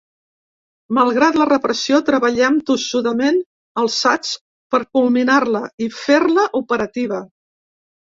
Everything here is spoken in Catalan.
Malgrat la repressió, treballem, tossudament alçats, per culminar-la i fer-la operativa.